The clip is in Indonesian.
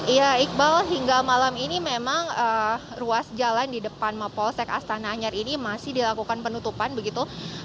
iya iqbal hingga malam ini memang ruas jalan di depan mapolsek astana anyar ini masih dilakukan penutupan begitu